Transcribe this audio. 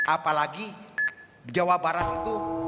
apalagi jawa barat itu